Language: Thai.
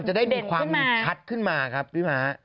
จะได้มีความชัดขึ้นมาครับพี่ม้า